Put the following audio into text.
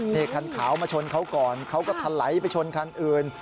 นี่คันขาวมาชนเขาก่อนเขาก็ทะไหลไปชนคันอื่น